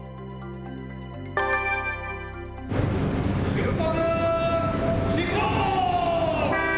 出発進行！